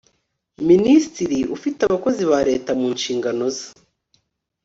minisitiri ufite abakozi ba leta mu nshingano ze